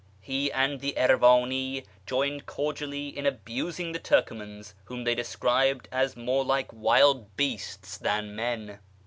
He and the Erivani joined cordially in Lbusing the Turcomans, whom they described as more like wild ' ')easts than men.